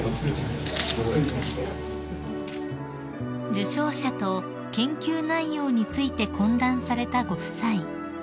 ［受賞者と研究内容について懇談されたご夫妻］